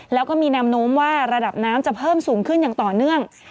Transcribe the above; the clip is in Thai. แล้วก็มีแนวโน้มว่าระดับน้ำจะเพิ่มสูงขึ้นอย่างต่อเนื่อง